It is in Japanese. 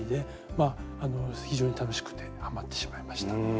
まああの非常に楽しくてハマってしまいました。